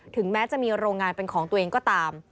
แม้จะมีโรงงานเป็นของตัวเองก็ตาม